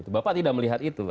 bapak tidak melihat itu